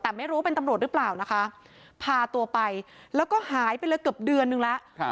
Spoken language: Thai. แต่ไม่รู้เป็นตำรวจหรือเปล่านะคะพาตัวไปแล้วก็หายไปเลยเกือบเดือนนึงแล้ว